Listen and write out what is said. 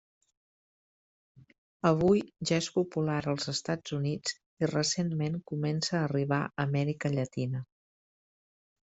Avui ja és popular als Estats Units i recentment comença a arribar a Amèrica Llatina.